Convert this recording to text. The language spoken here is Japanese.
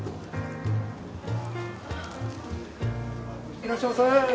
いらっしゃいませ。